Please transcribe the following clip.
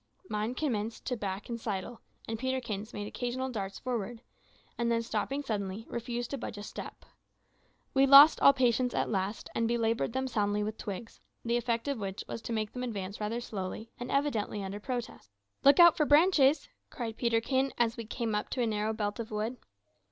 Mine commenced to back and sidle, and Peterkin's made occasional darts forward, and then stopping suddenly, refused to budge a step. We lost all patience at last, and belaboured them soundly with twigs, the effect of which was to make them advance rather slowly, and evidently under protest. "Look out for branches," cried Peterkin as we came up to a narrow belt of wood.